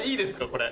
これ。